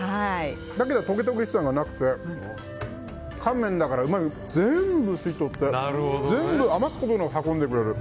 だけど、とげとげしさがなくて乾麺だから、うまみを全部吸い取って余すことなく運んでくれる。